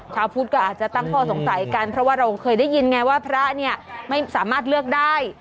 ชาวพุทธก็อาจจะตั้งข้อสงสัยกันเพราะว่าเราเคยได้ยินไงว่าพระเนี่ยไม่สามารถเลือกได้